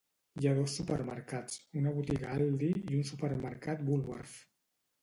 Hi ha dos supermercats: una botiga Aldi i un supermercat Woolworth.